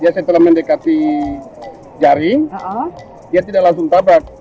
dia setelah mendekati jaring dia tidak langsung tabrak